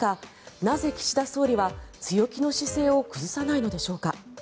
なぜ、岸田総理は強気の姿勢を崩さないのでしょうか。